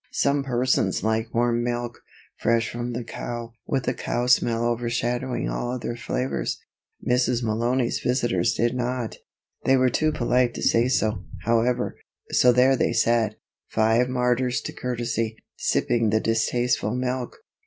Some persons like warm milk, fresh from the cow, with the cow smell overshadowing all other flavors. Mrs. Malony's visitors did not. They were too polite to say so, however, so there they sat, five martyrs to courtesy, sipping the distasteful milk.